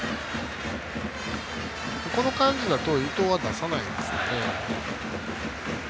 この感じだと伊藤は出さないですね。